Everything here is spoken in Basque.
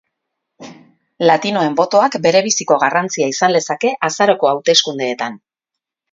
Latinoen botoak berebiziko garrantzia izan lezake azaroko hauteskundeetan.